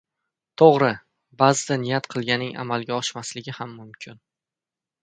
Toʻgʻri, baʼzida niyat qilganing amalga oshmasligi ham mumkin.